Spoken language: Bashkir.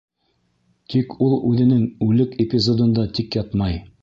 Тик ул үҙенең «үлек» эпизодында тик ятмай.